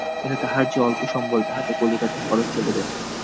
কিন্তু তাঁহার যে অল্প সম্বল তাহাতে কলিকাতার খরচ চলিবে না।